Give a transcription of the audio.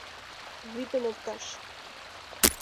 Вӱдым опташ!